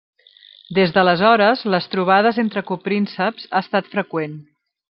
Des d'aleshores les trobades entre coprínceps ha estat freqüent.